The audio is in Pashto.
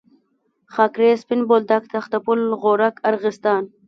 خاکریز، سپین بولدک، تخته پل، غورک، ارغستان.